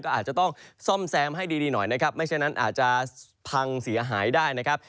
ก็อาจจะต้องซ่อมแซมให้ดีหน่อยนะครับไม่เช่นนั้นอาจจะพังเสียหายได้นะครับ